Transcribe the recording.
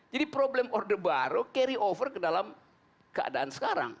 jadi problem order baru carry over ke dalam keadaan sekarang